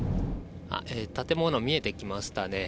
建物が見えてきましたね。